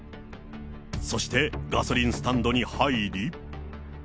そして、ガソリンスタンドに入り。